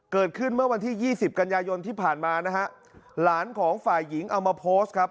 เกิดขึ้นเมื่อวันที่ยี่สิบกันยายนที่ผ่านมานะฮะหลานของฝ่ายหญิงเอามาโพสต์ครับ